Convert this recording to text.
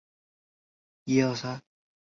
丁香色凤仙花为凤仙花科凤仙花属的植物。